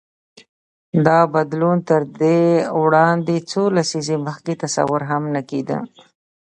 دا بدلون تر دې وړاندې څو لسیزې مخکې تصور هم نه کېده.